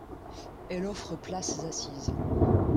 Elle offre places assises.